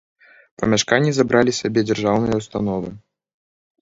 Памяшканні забралі сабе дзяржаўныя ўстановы.